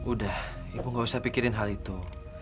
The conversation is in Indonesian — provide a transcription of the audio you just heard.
udah ibu gak usah pikirin hal itu